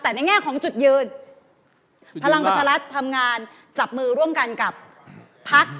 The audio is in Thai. แต่ในแง่ของจุดยืนพลังประชารัฐทำงานจับมือร่วมกันกับพัก